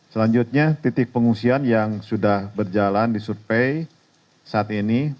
selanjutnya titik pengungsian yang sudah berjalan disurvey saat ini